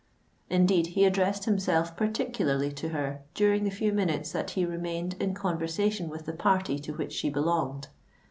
Indeed, he addressed himself particularly to her during the few minutes that he remained in conversation with the party to which she belonged.